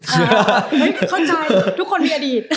เข้าใจทุกคนมีอดีต